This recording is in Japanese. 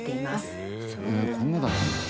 へえこんなだったんだ。